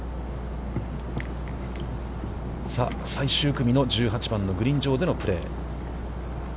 さあ最終組の１８番のグリーン上でのプレー。